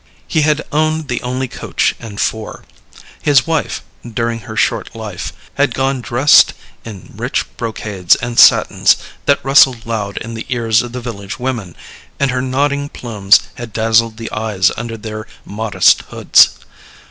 He had owned the only coach and four. His wife during her short life had gone dressed in rich brocades and satins that rustled loud in the ears of the village women, and her nodding plumes had dazzled the eyes under their modest hoods.